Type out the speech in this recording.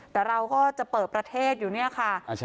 แต่เราก็จะเปิดประเทศอยู่เนี่ยค่ะ